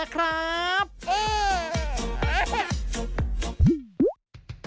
ขอบคุณพี่นะครับ